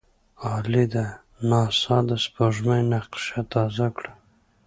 عالي ده! ناسا د سپوږمۍ نقشه تازه کړه.